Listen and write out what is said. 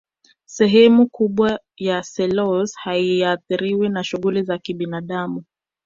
sehemu kubwa ya selous haiathiriwi na shughuli za kibinadamu